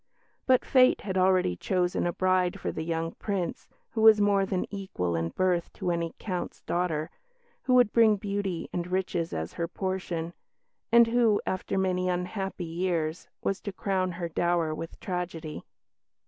But fate had already chosen a bride for the young Prince, who was more than equal in birth to any Count's daughter; who would bring beauty and riches as her portion; and who, after many unhappy years, was to crown her dower with tragedy.